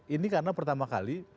ini karena pertama kali